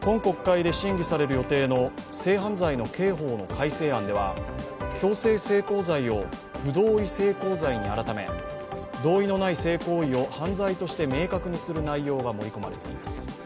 今国会で審議される予定の性犯罪の刑法の改正案では強制性交罪を不同意性交罪に改め同意のない性行為を犯罪として明確にする内容が盛り込まれています。